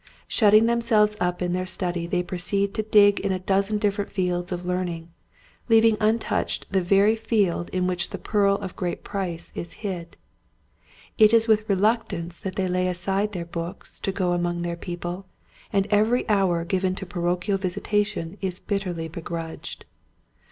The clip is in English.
Shutting themselves up in their study they proceed to dig in a dozen different fields of learning, leaving untouched the very field in which the pearl of great price is hid. It is with re luctance that they lay aside their books to go among their people and every hour given to parochial visitation is bitterly be grudged.